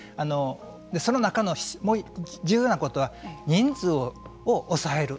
その中の重要なことは人数を抑える。